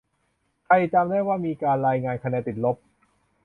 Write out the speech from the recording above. ใครจำได้ว่า มีการรายงานคะแนน "ติดลบ"